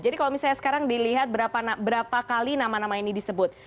kalau misalnya sekarang dilihat berapa kali nama nama ini disebut